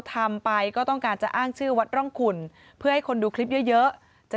ทำไปก็ต้องการจะอ้างชื่อวัดร่องขุนเพื่อให้คนดูคลิปเยอะเยอะจะ